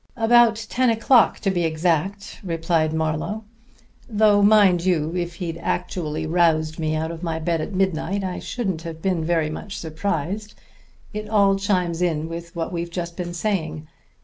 "About ten o'clock, to be exact," replied Marlowe. "Though mind you, if he'd actually roused me out of my bed at midnight I shouldn't have been very much surprised. It all chimes in with what we've just been saying.